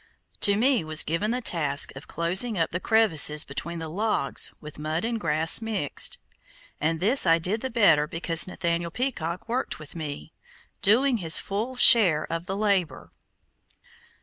To me was given the task of closing up the crevices between the logs with mud and grass mixed, and this I did the better because Nathaniel Peacock worked with me, doing his full share of the labor.